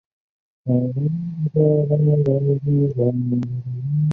北部凹腹鳕为辐鳍鱼纲鳕形目鼠尾鳕科凹腹鳕属的鱼类。